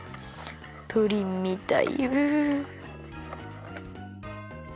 プリンみたいう。